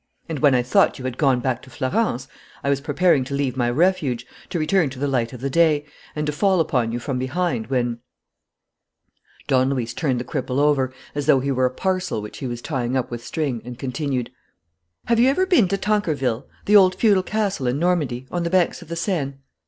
And, when I thought you had gone back to Florence, I was preparing to leave my refuge, to return to the light of day, and to fall upon you from behind, when " Don Luis turned the cripple over, as though he were a parcel which he was tying up with string, and continued: "Have you ever been to Tancarville, the old feudal castle in Normandy, on the banks of the Seine?